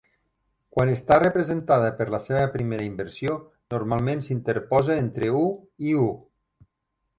Quan està representada per la seva primera inversió, normalment s'interposa entre I i I.